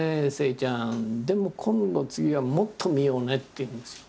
でも今度次はもっと見ようね」って言うんですよ。